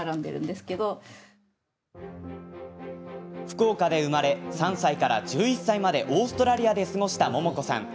福岡で生まれ３歳から１１歳までオーストラリアで過ごした百桃子さん。